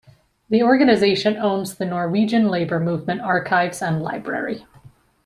The organization owns the Norwegian Labour Movement Archives and Library.